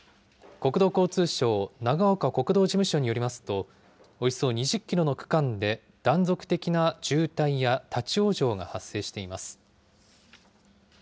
国土交通省・長岡国道事務所によりますと、およそ２０キロの区間で断続的な渋滞や立往生が発生しています。